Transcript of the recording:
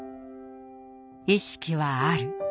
「意識はある。